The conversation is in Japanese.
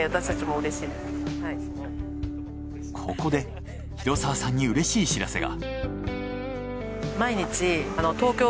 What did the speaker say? ここで廣澤さんにうれしい知らせが。